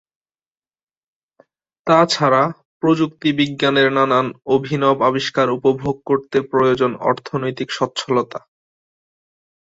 তাছাড়া প্রযুক্তি বিজ্ঞানের নানান অভিনব আবিষ্কার উপভোগ করতে প্রয়োজন অর্থনৈতিক সচ্ছলতা।